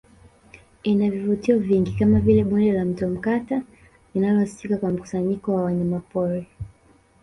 Ina vivutio vingi kama vile Bonde la Mto Mkata linalosifika kwa mkusanyiko wa wanyamapori